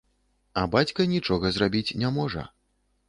А бацька нічога зрабіць не можа.